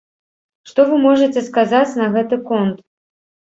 Што вы можаце сказаць на гэты конт?